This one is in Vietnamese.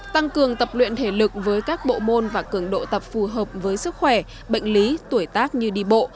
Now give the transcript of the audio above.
tăng cường tập luyện thể lực với các bộ môn và cường độ tập phù hợp với sức khỏe bệnh lý tuổi tác như đi bộ